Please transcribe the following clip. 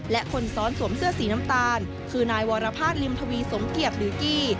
และคนซ้อนสวมเสื้อสีน้ำตาลคือนายวรภาษณริมทวีสมเกียจหรือกี้